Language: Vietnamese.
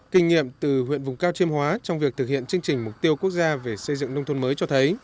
kinh nghiệm từ huyện vùng cao chiêm hóa trong việc thực hiện chương trình mục tiêu quốc gia về xây dựng nông thôn mới cho thấy